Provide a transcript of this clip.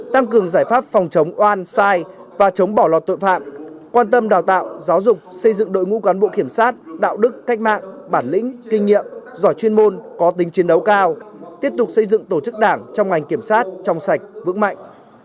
tăng cường giải pháp phòng chống oan sai và chống bỏ lọt tội phạm quan tâm đào tạo giáo dục xây dựng đội ngũ cán bộ kiểm sát đạo đức cách mạng bản lĩnh kinh nghiệm giỏi chuyên môn có tính chiến đấu cao tiếp tục xây dựng tổ chức đảng trong ngành kiểm sát trong sạch vững mạnh